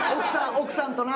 奥さんとな。